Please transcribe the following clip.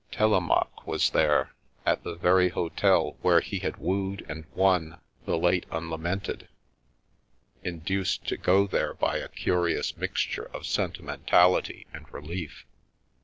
Telemaque was there, at the very hotel where he had wooed and won the late unlamented, induced to go there by a curi ous mixture of sentimentality and relief.